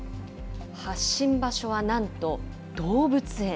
発信場所はなんと動物園。